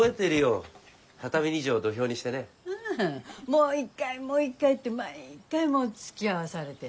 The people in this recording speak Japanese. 「もう一回もう一回」って毎回つきあわされて。